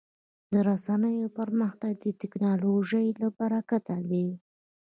د رسنیو پرمختګ د ټکنالوژۍ له برکته دی.